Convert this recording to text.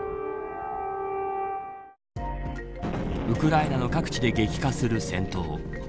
ウクライナの各地で激化する戦闘